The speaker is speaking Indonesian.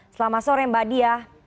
selamat sore mbak dia